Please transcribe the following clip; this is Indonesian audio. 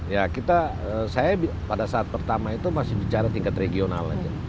ya kita saya pada saat pertama itu masih bicara tingkat regional aja